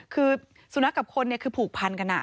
คือสุนัขกับคนคือผูกพันกัน